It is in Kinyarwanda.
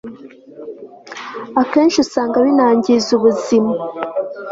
akenshi usanga binangiza ubuzima